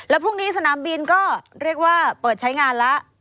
พรุ่งนี้สนามบินก็เรียกว่าเปิดใช้งานแล้ว